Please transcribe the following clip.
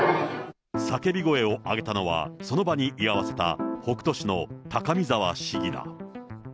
叫び声を上げたのは、その場に居合わせた北杜市の高見澤市議だ。